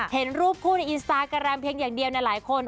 เห็นรูปคู่ในอินสตาแกรมเพียงอย่างเดียวในหลายคน